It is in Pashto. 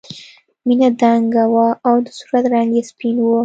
مینه دنګه وه او د صورت رنګ یې سپین و